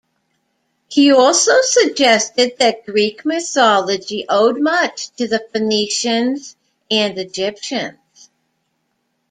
He also suggested that Greek mythology owed much to the Phoenicians and Egyptians.